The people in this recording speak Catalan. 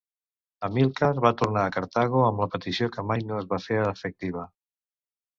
Amílcar va tornar a Cartago amb la petició, que mai no es va fer efectiva.